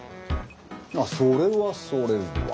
あっそれはそれは。